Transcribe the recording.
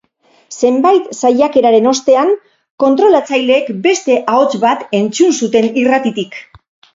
Zenbait saiakeraren ostean, kontrolatzaileek beste ahots bat entzun zuten irratitik.